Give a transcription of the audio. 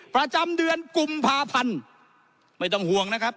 ประจำเดือนกุมภาพันธ์ไม่ต้องห่วงนะครับ